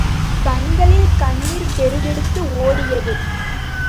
கண்களில் கண்ணீர் பெருக்கெடுத்து ஓடியது!